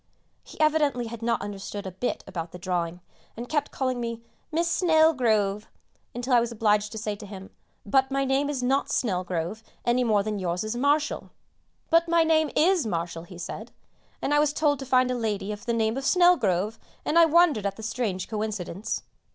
He evidently had not understood a bit about the drawing, and kept calling me "Miss Snelgrove," until I was obliged to say to him, "But my name is not Snelgrove any more than yours is Marshall." "But my name is Marshall," he said, "and I was told to find a lady of the name of 'Snelgrove,' and I wondered at the strange coincidence."